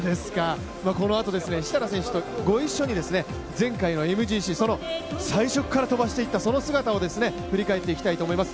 このあと設楽選手とご一緒に、前回のＭＧＣ、最初から飛ばしていった姿を振り返っていきたいと思います。